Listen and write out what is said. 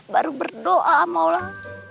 baru berdoa sama allah